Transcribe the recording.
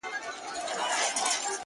كبرجن وو ځان يې غوښـتى پــه دنـيـا كي!